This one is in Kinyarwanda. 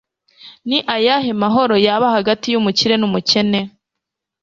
ni ayahe mahoro yaba hagati y'umukire n'umukene